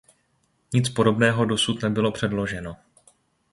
Nic podobného dosud nebylo předloženo.